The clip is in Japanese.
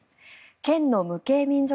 県の無形民俗